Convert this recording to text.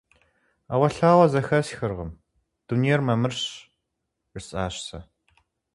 – Ӏэуэлъауэ зэхэсхыркъым, дунейр мамырщ, – жысӀащ сэ.